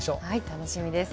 楽しみです。